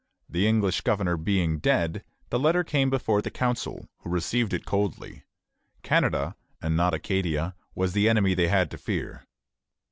The English governor being dead, the letter came before the council, who received it coldly. Canada, and not Acadia, was the enemy they had to fear.